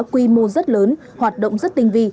quy mô rất lớn hoạt động rất tinh vi